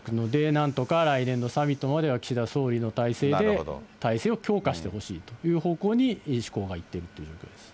なんとか来年のサミットまでは岸田総理の体制で体制を強化してほしいという方向に思考がいっているという状況です。